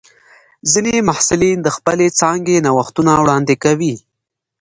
ځینې محصلین د خپلې څانګې نوښتونه وړاندې کوي.